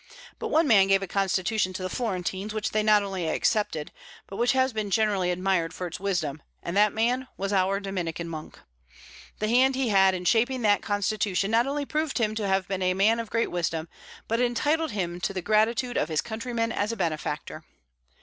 But one man gave a constitution to the Florentines, which they not only accepted, but which has been generally admired for its wisdom; and that man was our Dominican monk. The hand he had in shaping that constitution not only proved him to have been a man of great wisdom, but entitled him to the gratitude of his countrymen as a benefactor.